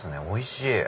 おいしい！